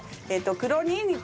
黒にんにく。